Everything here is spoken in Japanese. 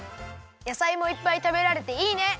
やさいもいっぱいたべられていいね！